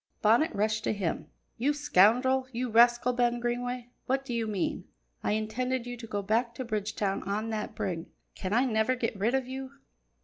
Bonnet rushed up to him. "You scoundrel! You rascal, Ben Greenway, what do you mean? I intended you to go back to Bridgetown on that brig. Can I never get rid of you?"